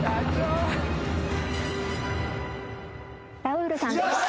ラウールさんです